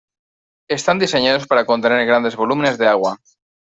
Están diseñadas para contener grandes volúmenes de agua.